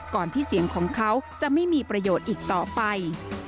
ที่เสียงของเขาจะไม่มีประโยชน์อีกต่อไป